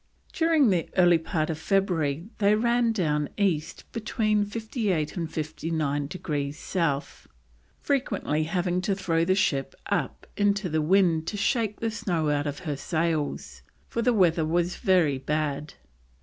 During the early part of February they ran down east between 58 and 59 degrees South, frequently having to throw the ship up into the wind to shake the snow out of her sails, for the weather was very bad.